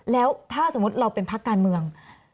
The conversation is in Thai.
แล้วถ้าสมมุติเราเป็นพักการเมือง